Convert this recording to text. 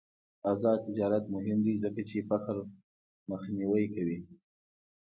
آزاد تجارت مهم دی ځکه چې فقر مخنیوی کوي.